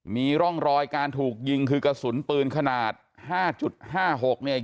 มีร่องรอยการถูกยิงคือกระสุนปืนขนาด๕๕๖เนี่ย